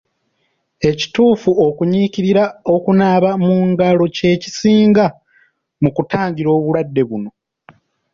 Ekituufu okunyiikirira okunaaba mu ngalo kye kisinga mu kutangira obulwadde buno.